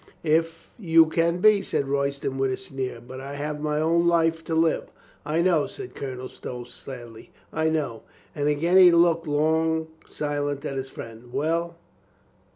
"If you can be," said Royston with a sneer. "But I have my own life to live." "I know," said Colonel Stow sadly. "I know." And again he looked long silent at his friend. "Well